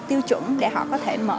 tiêu chuẩn để họ có thể mở